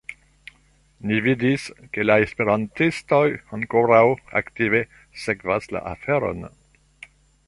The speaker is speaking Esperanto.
Ni vidis, ke la esperantistoj ankoraŭ aktive sekvas la aferon.